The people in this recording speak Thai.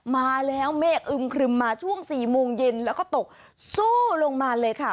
มาแล้วเมฆอึมครึมมาช่วง๔โมงเย็นแล้วก็ตกสู้ลงมาเลยค่ะ